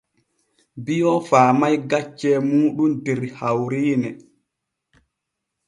Bio faamay gaccee muuɗum der hawriine.